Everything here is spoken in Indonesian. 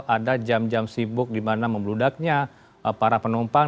ada jam jam sibuk di mana membludaknya para penumpang